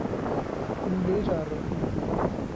لولۀ جراحی